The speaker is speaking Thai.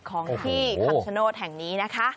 ของที่คำชโนธแห่งนี้นะคะ